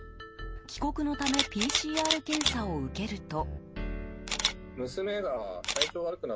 帰国のためＰＣＲ検査を受けると。